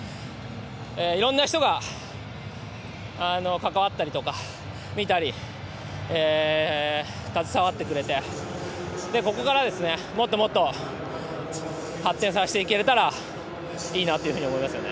いろんな人が関わったりとか、見たり携わってくれてここからもっともっと発展させていけたらいいなというふうに思いますよね。